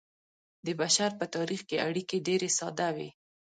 د بشر په تاریخ کې اړیکې ډیرې ساده وې.